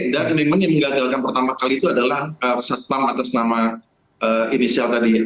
dan memang yang menggagalkan pertama kali itu adalah satpam atas nama inisial tadi